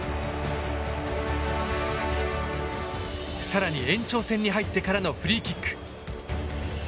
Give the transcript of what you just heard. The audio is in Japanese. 更に延長戦に入ってからのフリーキック。